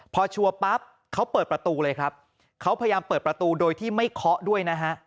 พอชัวร์ปั๊บเขาเปิดประตูเลยครับเขาพยายามเปิดประตูโดยที่ไม่เคาะด้วยนะฮะ